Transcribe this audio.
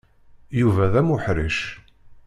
Yuba d amuḥṛic.